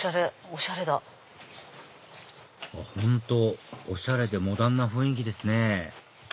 おしゃれでモダンな雰囲気ですね